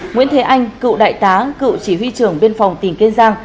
nguyễn thế anh cựu đại tá cựu chỉ huy trưởng biên phòng tỉnh kiên giang